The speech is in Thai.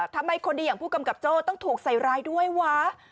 ทำไมคนดีอย่างผู้กำกับโจ้ต้องถูกใส่ร้ายด้วยวะ